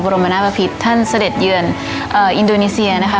รมนาบพิษท่านเสด็จเยือนอินโดนีเซียนะคะ